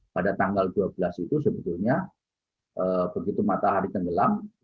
pada tanggal dua belas itu sebetulnya begitu matahari tenggelam